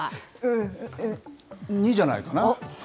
２じゃないかな。